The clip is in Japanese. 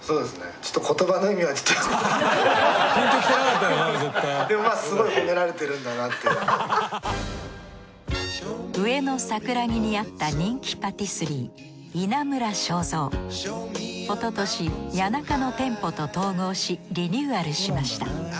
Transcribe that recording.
ちょっと上野桜木にあった人気パティスリーおととし谷中の店舗と統合しリニューアルしました。